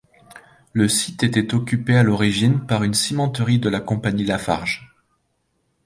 Le site était occupé à l'origine par une cimenterie de la compagnie Lafarge.